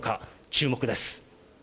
注目です。